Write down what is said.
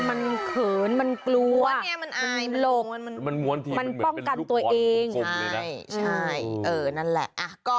มันเขินมันกลัวมันหลบมันป้องกันตัวเอง